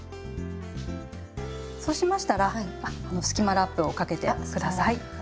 そうしましたらあっあのスキマラップをかけて下さい。